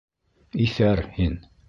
Иҫәр һин!